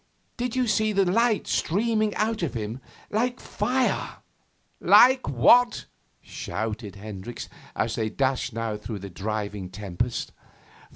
Did you see the light streaming out of him like fire?' 'Like what?' shouted Hendricks, as they dashed now through the driving tempest.